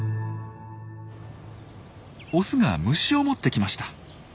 オスが虫を持ってきました。